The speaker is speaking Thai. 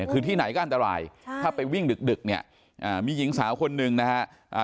คือที่ไหนก็อันตรายถ้าไปวิ่งดึกเนี่ยมีหญิงสาวคนหนึ่งนะฮะ